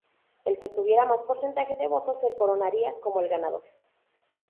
El que tuviera mas porcentaje de votos se coronaría como el ganador.